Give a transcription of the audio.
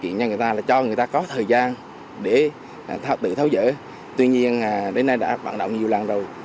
hiện cho người ta là cho người ta có thời gian để tự tháo dỡ tuy nhiên đến nay đã vận động nhiều lần rồi